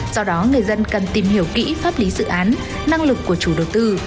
do đó người dân cần tìm hiểu kỹ pháp lý dự án năng lực của chủ đầu tư